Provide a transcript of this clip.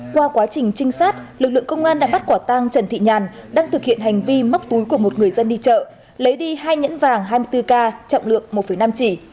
qua quá trình trinh sát lực lượng công an đã bắt quả tang trần thị nhàn đang thực hiện hành vi móc túi của một người dân đi chợ lấy đi hai nhẫn vàng hai mươi bốn k trọng lượng một năm chỉ